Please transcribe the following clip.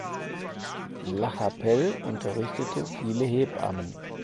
Lachapelle unterrichtete viele Hebammen.